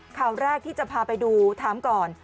ข่าวแรกที่จะพาไปดูถามก่อน